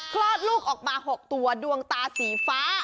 คลอดลูกออกมา๖ตัวดวงตาสีฟ้า